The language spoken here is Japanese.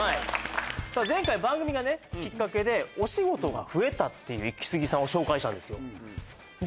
さあ前回番組がねきっかけでお仕事が増えたっていうイキスギさんを紹介したんですよで